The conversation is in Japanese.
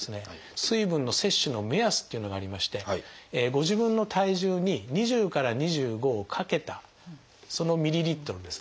水分の摂取の目安っていうのがありましてご自分の体重に２０から２５を掛けたそのミリリットルですね。